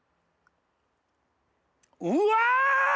うわ！